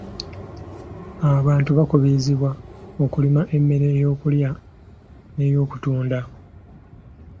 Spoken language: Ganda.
Abantu bakubirizibwa okulima emmere ey'okulya n'ey'okutunda.